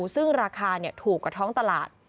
ซึ่งราคาถูกกว่าท้องตลาด